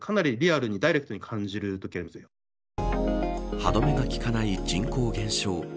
歯止めが利かない人口減少。